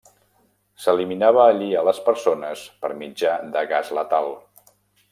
S'eliminava allí a les persones per mitjà de gas letal.